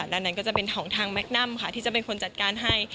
ดังนั้นก็จะเป็นของทางแมคนัมค่ะที่จะเป็นคนจัดการให้